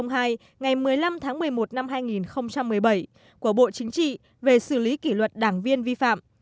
ngày một mươi năm tháng một mươi một năm hai nghìn một mươi bảy của bộ chính trị về xử lý kỷ luật đảng viên vi phạm